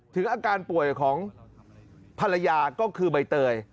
ถึงอาการป่วยของภรรยาก็คือใบเตย